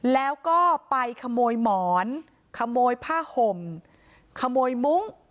แล้วก็ไปขโมยหมอนขโมยผ้าห่มขโมยมุ้ง